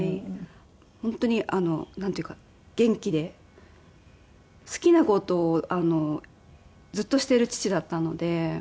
本当になんていうか元気で好きな事をずっとしている父だったので。